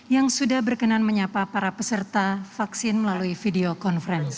yang sudah berkenan menyapa para peserta vaksin melalui video conference